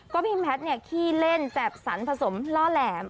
ก็มีแมทเนี่ยขี้เล่นแจบสันผสมล่อแหลม